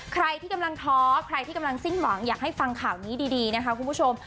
ใครที่กำลังท้อใครที่กำลังสิ้นหวังอยากให้ฟังข่าวนี้ดีนะคะคุณผู้ชม